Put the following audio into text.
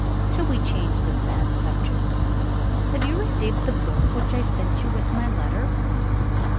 Shall we change the sad subject? Have you received the book which I sent you with my letter?"